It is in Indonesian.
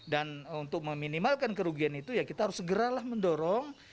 dan untuk meminimalkan kerugian itu ya kita harus segeralah mendorong